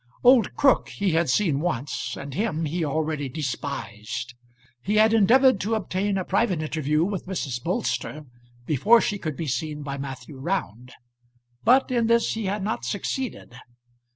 Old Crook he had seen once, and him he already despised. He had endeavoured to obtain a private interview with Mrs. Bolster before she could be seen by Matthew Round; but in this he had not succeeded.